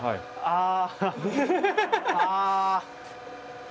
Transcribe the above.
ああ。